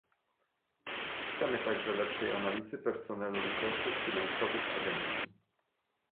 Chcemy także lepszej analizy personelu i kosztów finansowych agencji